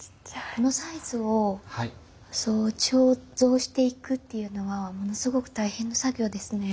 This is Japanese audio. このサイズを彫像していくっていうのはものすごく大変な作業ですね。